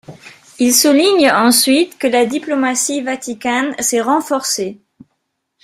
Il souligne ensuite que la diplomatie vaticane s'est renforcée.